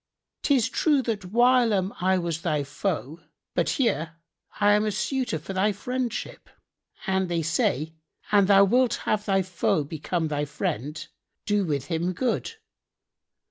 'Tis true that whilome I was thy foe but here am I a suitor for thy friendship, and they say, 'An thou wilt have thy foe become thy friend, do with him good.'